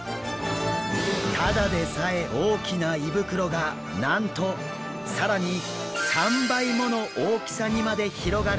ただでさえ大きな胃袋がなんと更に３倍もの大きさにまで広がるんです。